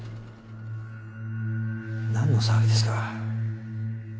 何の騒ぎですか？